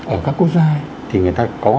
ở các quốc gia thì người ta có